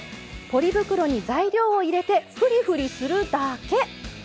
ポリ袋に材料を入れてふりふりするだけ。